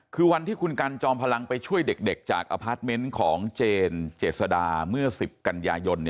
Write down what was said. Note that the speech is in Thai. คือวันที่คุณกันจอมพลังไปช่วยเด็กจากอพาร์ทเมนต์ของเจนเจษดาเมื่อ๑๐กันยายน